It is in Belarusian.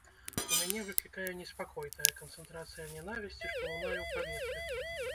У мяне выклікае неспакой тая канцэнтрацыя нянавісці, што лунае ў паветры.